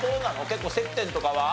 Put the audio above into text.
結構接点とかはあるの？